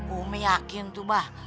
umi yakin tuh mbah